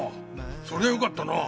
そりゃよかったな。